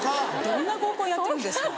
どんな合コンやってるんですか？